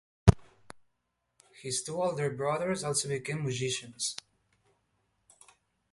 His two older brothers also became musicians.